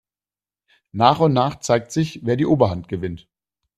Nach und nach zeigt sich, wer die Oberhand gewinnt.